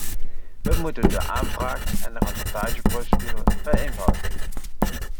We moeten de aanvraag- en rapportageprocedures vereenvoudigen.